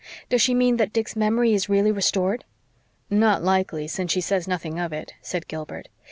"Does she mean that Dick's memory is really restored?" "Not likely since she says nothing of it," said Gilbert.